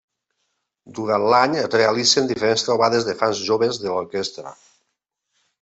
Durant l'any es realitzen diferents trobades de fans joves de l'orquestra.